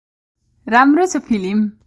राम्रो छ फिलिम ।